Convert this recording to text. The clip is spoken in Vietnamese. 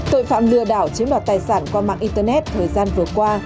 tội phạm lừa đảo chiếm đoạt tài sản qua mạng internet thời gian vừa qua